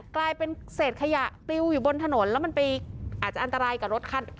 กลายเป็นเศษขยะติวอยู่บนถนนแล้วมันไปอาจจะอันตรายกับรถคัน